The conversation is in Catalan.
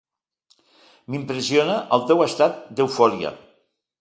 M'impressiona el teu estat d'eufòria.